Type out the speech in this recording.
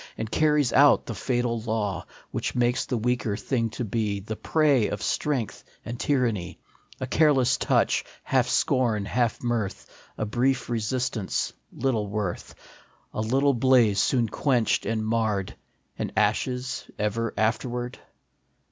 177 And carries out the fatal law Which makes the weaker thing to be The prey of strength and tyranny ; A careless touch, half scorn, half mirth, A brief resistance, little worth ; A little blaze soon quenched and marred, And ashes ever afterward?